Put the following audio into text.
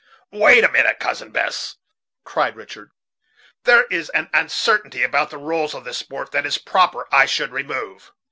"Wait a minute, Cousin Bess," cried Richard; "there is an uncertainty about the rules of this sport that it is proper I should remove.